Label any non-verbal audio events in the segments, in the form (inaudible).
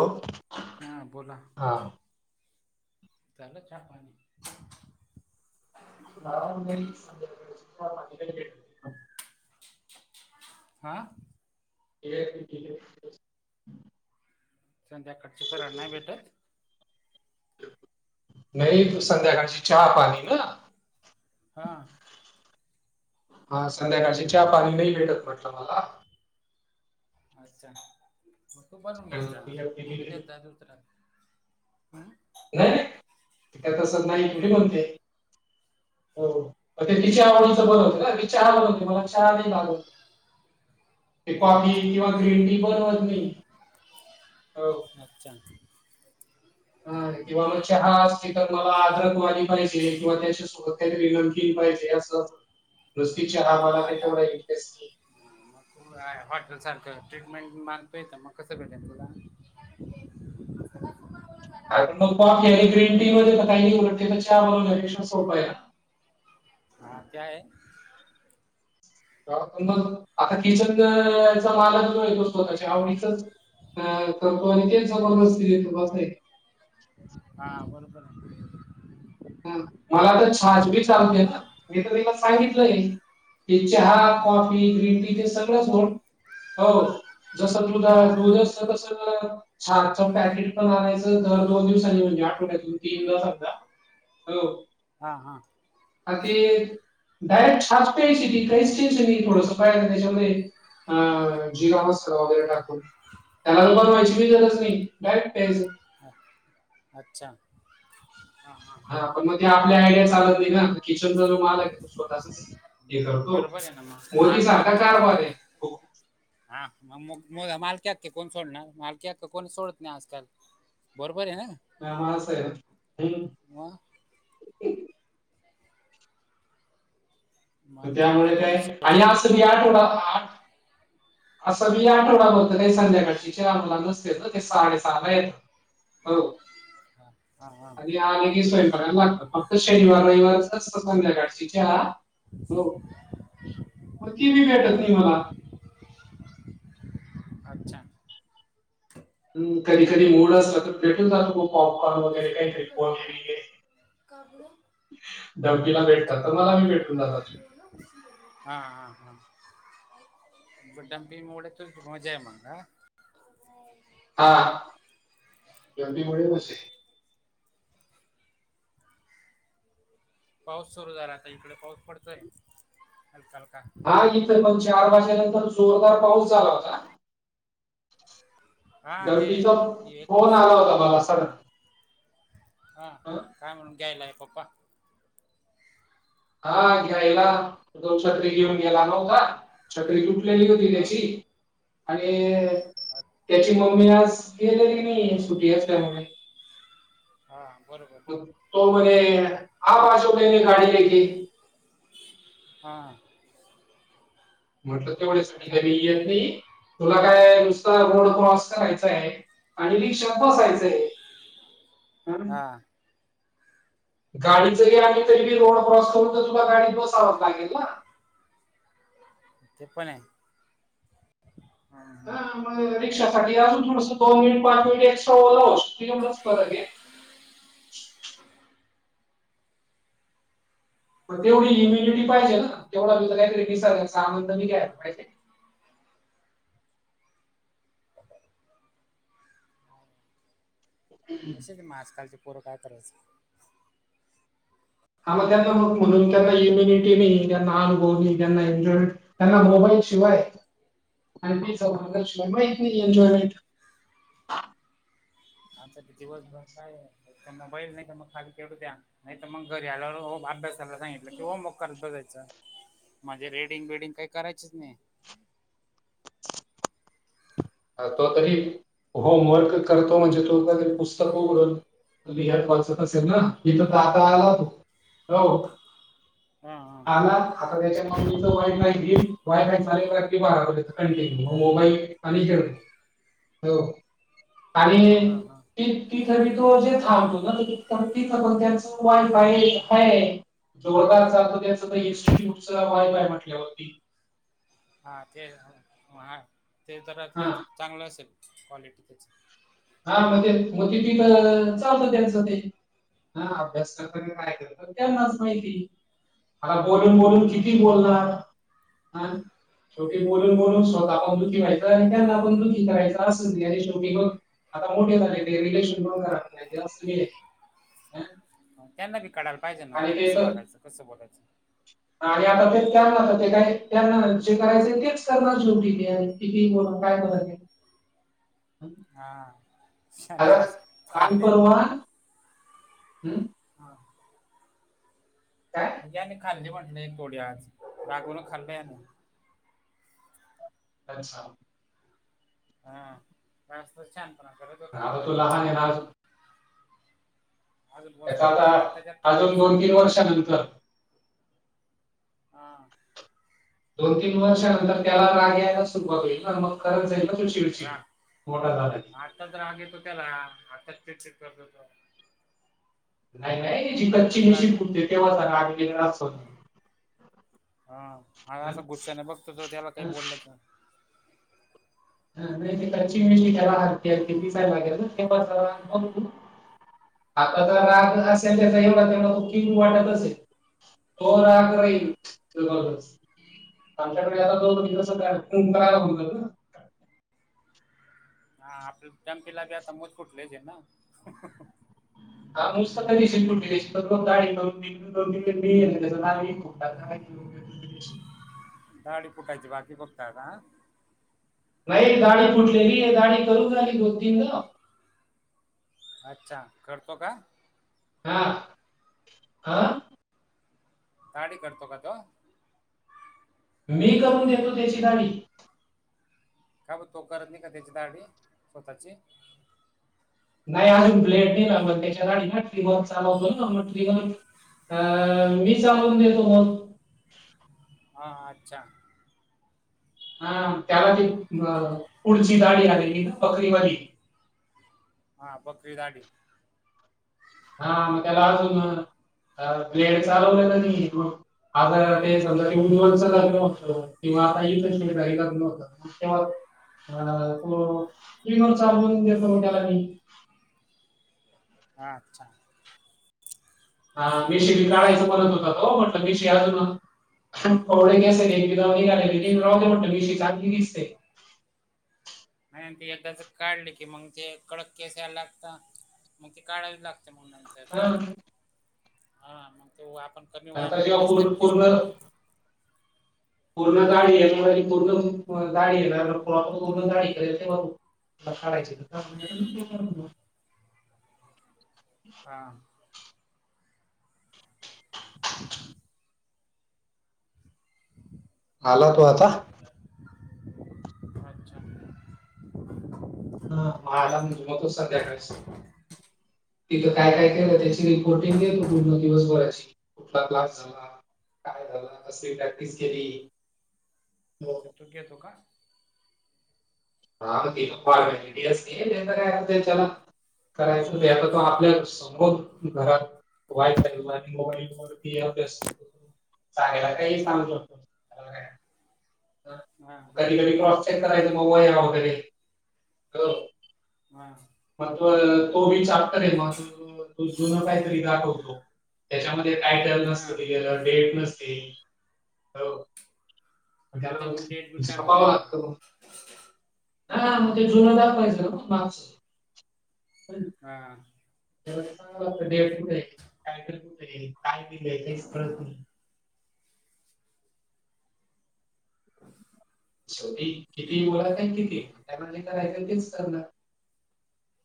ओ. हा बोला. झालं, चहा-पाणी. हा मम्मे, मला पाचशे दे. हां. ये. (unintelligible) संध्याकाळचं कराया नाय भेटतं? नहीं, संध्याकाळची चहा पाणी ना. हा. हा, संध्याकाळची चहा पाणी नाही भेटत म्हटलं मला. अच्छा, मग तू बनून घेत जा, तू बी देत जा दुसऱ्यांना. नाही, त्या तसं नाही, कढे म्हणते, हो. ते तिच्या आवडीचं बोल होते का, मी चहा बनवतोय, मला चहा नाही लागत. ते कॉफी अच्छा किंवा ग्रीन टी बनवत नाही, हो. अच्छा. हा हा किंवा मग चहा (unintelligible) असं मला आद्रक वाली पाहिजे, किंवा त्याच्या सोबत काहीतरी लेमन टी पाहिजे असं. नुसती हा चहा, मग मला काही तेवढा इंटरेस्ट नाही. तु काय हॉटेल सारखं ट्रीटमेंट मागतो इथं, मग कसं भेटल तुला? कुणाचं? (unintelligible) अं, गं (unintelligible) ग्रीन टी मध्ये काही ही नाही उलट चहा (unintelligible) वगैरेे सोपं हाया. हा, ते आहे? (unintelligible) मग आता किचनचचं, मालक जो आहे स्वतःच्या आवडीचचं. अं करतो आणि ते जबाबदारी. (unintelligible) हा, बरोबर. हंम मला तर (unintelligible) चहा मागितला, मी तर तीला सांगितलं हेही. ते चहा, हा कॉफी, ग्रीन टी ते सगळंच हो, हो. जसं दुध, हा दुध असतं, तसं गं. छान असं पॅकेट पण आणायचं, दर दोन दिवसांनी म्हणजे आठवड्यात तीन. (unintelligible) हो. हा, हा. आ ते. डायरेक्ट (unintelligible) थोडंसय त्याच्यामध्ये. (inaudible) अं जी (unintelligible) वगैरे टाकून. त्याला बनवायची पण गरज नाही, डायरेक्ट प्यायचं. हाट. अच्छा, हा, हा. हा, पण मग ते आपल्या आयडिया चालत नाही ना, किचनचा जो माल आहे स्वतःचाचं हे करतो, बरोबर आहे ना मग मोदी माल मालकी सारखा. कोण (unintelligible) हा, म-मग मालकी हक्क कोण सोडणार? मालकी हक्क कोण सोडत नाही आजकाल. बरोबर आहे हं. (unintelligible) सगळे, हंम्म. मग? तर मालकी हक्क त्यामुळे कोणी काय? आणि सोडत आस नाही (unintelligible) आठवडा आठ. असं बी आठवडा भर तर काय संध्याकाळची चारला नसतेचं, ते साडे सहाला येतात. हो. हा हा हा आणि आलं कि स्वैपाकाला लागतात. फक्त शनिवार रैवारचाच (unintelligible) संध्याकाळची चहा हो, म ती बी देते की मला अच्छा अं, कधी कधी हम्म. मुड असला तर भेटून जातो पॉपकॉर्न तिथंच वगरे काहीतरी ग्लोबल खेळतोय का पोरांसाठी घे. का बरं धाव्वीला अच्छा भेटतात तर मला पण भेटून आणि मग जातात. तेवढं हा हा हा. म डंपिंग मोडय त तुमची मजाय मंग हा? (inaudible) हा (unintelligible) पाऊस सुरू झाला, आता इकडे पाऊस पडतोय, हलका हलका. हा इथं मंग चार वाजल्या नंतर जोरदार पाऊस आला होता. हा ते गर्दीतं एक फोन पुस आला होता बाबा सर हां काय म्हणून ग्यायला ये पप्पा? हा घ्यायला. तो छत्री घेऊन गेला नव्हता छत्री तुटलेली होती त्याची आणि हान त्याची मम्मी आज, गेलेली नाही सुटी आसल्यामुळे. हां बरोबर. मग तो म्हणे, आवाज ओके नाई काढी (unintelligible) हा म्हटलं तेवढ्यासाठी घरी चांगलं येत नाही? तुला काय नुसतं रोड क्रॉस करायचाय आणि रिक्षात बसायचंय. (inaudible) हाआ गाडी चं (unintelligible) रोडा क्रॉस करूनच तुला गाडी (unintelligible) ते प्पणाय हं हं पण मी रिक्षासाठी अजून थोडंसं दोन मिनिट पहात होतो त एक्स्ट्रा ओला होतो तुझ्यामुळंच तरगे तेवा इमेजीएटली पाहिजे ना? तेव्वा (unintelligible) तसेच मग आजकालचे पोरं काय करायचं? आ मग फुलुन त्यांना इमोनिटी नाई, त्यांना अनुभव नाई, त्यांना एंजॉरी त्यांना मोबाईलशिवाय, अँटी चौका (unintelligible) माईत नाई एन्जॉयमेंट. आमचं त दिवसभर कायाय? त्यांना (inaudible) नाईतं मंग आब्यास त्यांना सांगितलं कीवा मग करत बसायचं. माजे रेडींग बेडींग काई कराचंच नाई. तो तरी, हो म्होरकं करतो म्हणजे तो कायतरी पुस्तकं उघडून तुमी घर पोवचत असेल ना? तितं प्राता आला तो. हा, हा. आलात? आता त्याच्या मम्मीचा वायफाय घील, वायफाय चालेला की बाहेर जायचं कंटिन्यू म मोबाईल आणि जर्नी. हो, आणिई हा, हा. (unintelligible) वायफाय का कायये? तो मुलगा असा असतो त्यांचा आता इन्स्टंट्युटचा वायफाय म्हंटल्यावर. हा ते अ म्हाय ते तरच हा चांगलं असेल कॉलीटी त्याचं हा म्हंजे मोती टीकालंल चालतं त्यांचं ते. हा अभ्यासचं पण (unintelligible) पण, त्यांनाच माहिती. आता बोलून -बोलून हा किती बोलणार. शेवटी बोलून बोलून स्वतः पण दुःखी व्हायचं आणि त्यांना पण दुःखी करायचं असं (unintelligible) आता मोठे झाले ते रिलेशन वगैरे काही असतं की नाही, अं. त्यांना बी कळायला पाहिजे ना, आता कसं वागायचं, कसं बोलायचं. आणि आता ते स्कॅम काय जे करायचं तेच करणार शेवटी ते. कितीही बोला, काय बोलायचं. (unintelligible) हां शानी आता आज फाले. हुं.. हा काय म्हणजे आम्ही खांदेवाडीला आहे एक तोडी आज रागूनं खाल्लंय ना. अच्छा हां आज तर शहाणपणा करत होता, आता अभ्यास तो दिलेला लहान आहे ना करत नाही. अजून. अजून वस्तू तेच्यावर आत्ताच्या आत्ता आता पाहिजे अजून सांग दोन -तीन वर्षानंतर हा दोन -तीन वर्षानंतर त्याला राग यायला सुरुवात होईल ना मग,, करत जाईल ना तो चिडचिड मोठा झाला की, आत्ताच राग येतो त्याला आत्ताच चिडचिड करतो तो. नाही -नाही जिथंं आताच चिनी राग शेणकुट ते तेव्हा सांगणार, आम्हीं गेल्यावर आत सोडणार. हां, आणि असा हं? गुश्शाने बघतो तो त्याला काय बोललं तर. नाही ती कच्ची मिशी त्यला (unintelligible) आता जरा हा रागच असा तर त्याचा एवढा-तेवढा तो किंग वाटत असेल, तो राग राहील आमच्या कडे आता तो दिवस कार्यक्रम करायला घेऊन जातो हां आपलं स्कॅम की आता मत फुटलंच हे ना. (unintelligible) तिथं जाऊन तर मी फुकटात आला की जेऊन. दाढी फुटायची बाकी फक्त आता. नाही दाढी फुटलेली आहे, दाढी करू झाली दोन-तीनदा. अच्छा करतो का? हा हा दाढी करतो का तो? मी करून देतो त्याची दाढी. का बरं तो करत नाही का दाढी स्वतःची? नाही अजून ब्लेड नाही ना मग त्याच्यासाठी ना ट्रिगर चालवतो ना मग ट्रिगर. अ मी चालवून देतो मग. हा, हा‌ अच्छा. हा त्याला ते पुढची दाढी आलेली ना बकरीवाली, हा बकरी दाढी हा मग त्याला अजून ब्लेड चालवता का नाही येत मग. आता ते समजा ते उज्वलच न्हत किंवा आता ह नव्हतं (unintelligible) स्टीमर चालवून देतो त्याला मी हा.. अच्छा. हा मेशी बी काढायचं म्हणत होता तो, म्हटलं मिशी अजून (unintelligible) राहूदे म्हटत मीशी. चागली दिसते. नाही ते एकदाच काढली की मग ते कडक केस यायला लागता. मग ते काढावी लागते मग नंतर. हा हा मग तो आपण कमी आता वयामध्ये जेव्हा पूर्ण वयसकर दिसणार. पूर्ण पूर्ण दाडी पूर्ण दाडी येणार. पण ग काढय (unintelligible) हां. (inaudible) आला तो आता. अच्छा. हा मला म्हणतोस सध्याकाळीस तिथं काय काय केलं त्याची रीपोर्टिंग देतो. पूर्ण दिवसभराची. कुठला क्लास झाला. काय झाल. कसली प्रॅक्टिस केली. अच्छा, तू घेतो का? (unintelligible) करायचं ते आता त आपल्या समोरच घरात. वायफाय व मोबाईल वरती अभ्यास. सागायला काही सांगत असतो. त्याला काय? हा कधी बरोबर कधी क्रॉस चेक करायच म. वह्या वगैरे. हा. म त, तो बी चापटरे म. ततो तो जुनं काहीतरी दाखवतो. त्याच्यामध्ये टायटल हा नसत दिलेल. डेट नसती. हो. मग मुद्दा त्याला, म्हणून डेट बीट टाकत झापाव नाही लागत मग. हा मग हम्म. ते जुन दाखवायच मग मा. हा. त्याला सागावा लागत. डेट कुठ? टायटल कुठय? काय लीलंय काहीच कळत नाही. शेवटी किती बोला काय तिथे. त्यांना जे करायच तेच करणार.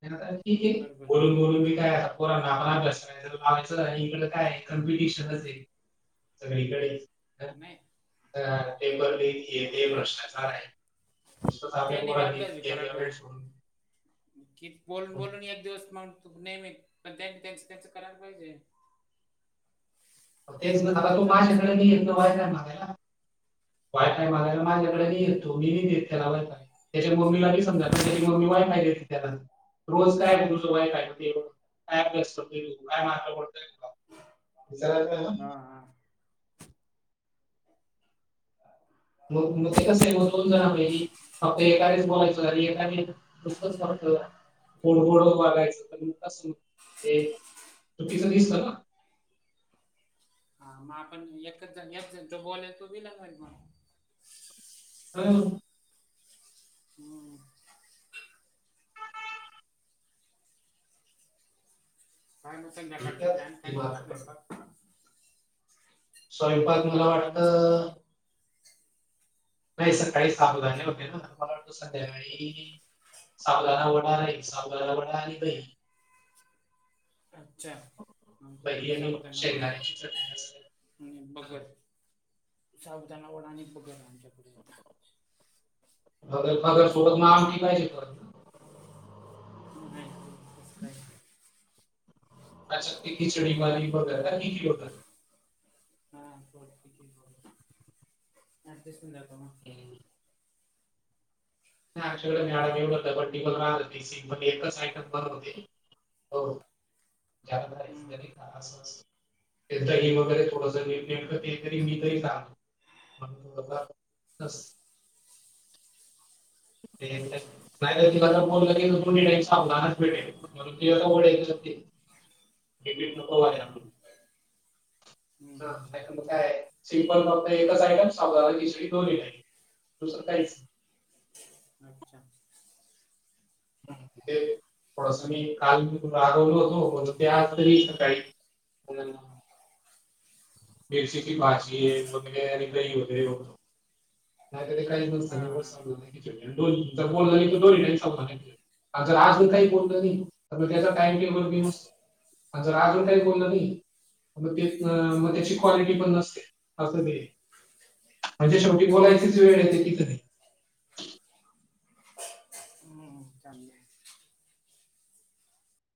त्यांना काय ठीके. बरोबर बोलून बोलून मी काय पोराना आपण अभ्यास करायला लावायच. इकड काय कम्पिटिशनचे. सगळीकडेच. नाही अ पेपर लिक. हे ते भ्रष्टा चारे. नुसताच आपल्या त्याने बी पोरांनी, पेपर सोडून मी की बोलून बोलून एक दिवस माणूस तू नेहमी. पण त्यांनी त्यांच त्यांच करायला पाहिजे. आओ तेच ना. त्यांचा आता तो त्यांचा अभ्यास माझ्याकड करायला नाही येत पाहिजे वायफाय मागायला. वायफाय मागायला हा माझ्याकडे नाहीयेत. तो मी नाही देततेला वायफाय. तेच्या मम्मीला बी समजेला पाहिजे, तेची मम्मी वायफाय देते. त्याला. रोज काय ग तुझं वाय फाय? काय अभ्यास करतोय तू? काय मार्क पाडताय? हा (unintelligible) हा (inaudible) मग मग ते कसय. मग दोन जणामधीही फक्त एकानेच बोलायचं. आणि एकाने नुसतच (unintelligible) गोडघोड वागायचं. तर मग कस ते चुकीच दिसत ना. हा मग आपण एकच जण. एक जण च्या बोल्यान तो ढिला जाईल म. काय म? हम्म. काय म? ठीक संध्याकाळच आहे प्लॅन ती काय? मार्क पडल. स्वयंपाक? स्वयंपाक मला काय मग वाटतं. संध्याकाळी नाही सकाळी साबुदाने होते त्यामुळे संध्याकाळी. साबुदाणा वडा राहील साबुदाणा वडा आणि दही. अच्छा आमच्याकडे दही आणि साबूदाना वाड. शेंगदाण्याची चटणी असं आणि बघर साबुदाणा वडा आणि बघर आमच्याकड. बगर बागल मग तिलाच येतो. नाही कर सबस्क्राब कर. अ खिचडी मारी वगैरे काली होत. हा, ब ठीके अ दिन द ना. नाही आमच्याकडे हम्म. मेळा मिवबड्डी पण राह हो सि पणच सायट बंद होते, हो. हम्म (unintelligible) ते दही वगैरे थोडंस नेमकं ते तरी सांग. (unintelligible) (unintelligible) अच्छा नाही तर बोलदो साबूधानाच भेटलल. हेलेट नको हा वाय हा आपण. हम्म (unintelligible) मग काय सिंपल फक्त एकच आहेयम सावधसडी दोन ह दुसरं काहीच नाही. (unintelligible) अच्छा ते पर्सनली काल रागावलो होतो, मग ते आज तरी सकाळी (unintelligible) मिरशीली भाषी हा वगैरे आणि दही वगैरे होतं. नाही तरी काहीच नसतं हा नाही. हा (unintelligible) जर आज मी काही बोलत नाही तर मी त्याचा टाइम टेबलऊ जर आज जार काय बोलल नाही तर तिथेन. हम्म क्लिटी पण नसते अस म्हणजे शेवटी बोलायचीच वेळ येते कधी खूब चांगली आहे.